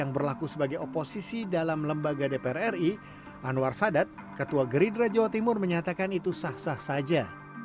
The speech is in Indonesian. yang berlaku sebagai oposisi dalam lembaga dpr ri anwar sadat ketua geridra jawa timur menyatakan itu sah sah saja